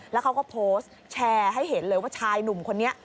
แล้วเขาก็โพสต์แชร์ให้เห็นเลยว่าชายหนุ่มคนนี้